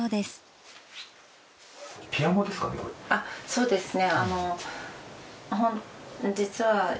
そうですね。